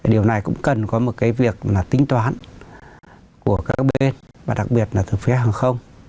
điều này cũng cần có một cái việc là tính toán của các bên và đặc biệt là từ phía hàng không